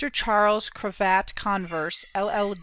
Charles Cravat Converse, LL.